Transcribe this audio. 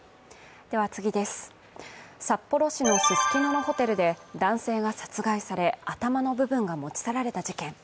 札幌市のススキノのホテルで男性が殺害され頭の部分が持ち去られた事件。